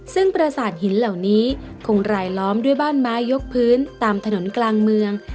ซึ่งประสาทหินเหล่านี้คงรายล้อมด้วยบ้านไม้ยกพื้นตามถนนกลางเมือง